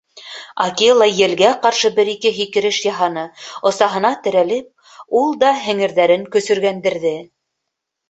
Акела елгә ҡаршы бер-ике һикереш яһаны, осаһына терәлеп, ул да һеңерҙәрен көсөргәндерҙе.